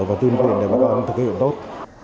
và tuyên truyền để bà con thực hiện tốt